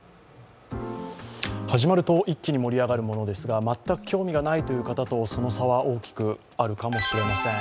始まると一気に盛り上がるものですが全く興味がないという方とその差は大きくあるかもしれません。